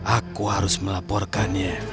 aku harus melaporkannya